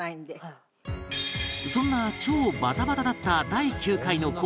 そんな超バタバタだった第９回の『紅白』